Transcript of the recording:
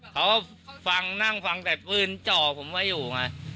เขาฟังนั่งฟังแต่ปืนจ่อผมไว้อยู่ไง